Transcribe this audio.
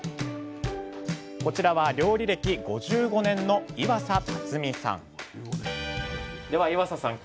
こちらは料理歴５５年のでは岩佐さん